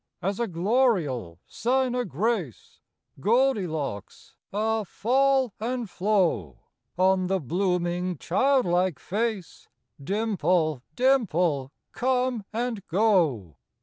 As a gloriole sign o' grace, Goldilocks, ah fall and flow, On the blooming, childlike face, Dimple, dimple, come and go.